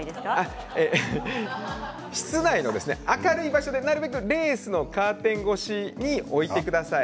室内の明るい場所でレースのカーテン越しに置いてください。